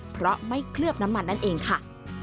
เพราะไม่เคลือบน้ำมันนั่นเองค่ะ